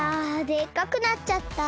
でっかくなっちゃった。